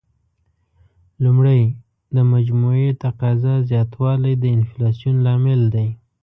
لومړی: د مجموعي تقاضا زیاتوالی د انفلاسیون لامل دی.